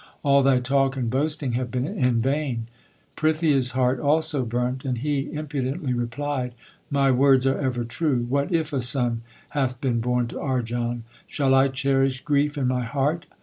All thy talk and boasting have been in vain/ Prithia s heart also burnt, and he impu dently replied : My words are ever true. What if a son hath been born to Arjan ? Shall I cherish grief in my heart